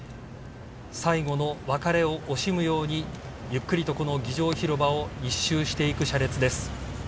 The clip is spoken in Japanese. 最後の別れを惜しむようにゆっくりと儀仗広場を１周していく車列です。